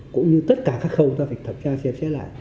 cũng như tất cả các khâu ta phải thẩm tra xem xét lại